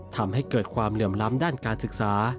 ทำให้เกิดความเหลื่อมล้ำด้านการศึกษา